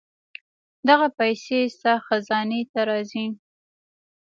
دغه پېسې ستا خزانې ته راځي.